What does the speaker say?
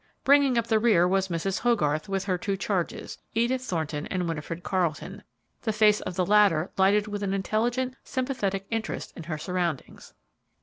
Bringing up the rear was Mrs. Hogarth with her two charges, Edith Thornton and Winifred Carleton, the face of the latter lighted with an intelligent, sympathetic interest in her surroundings.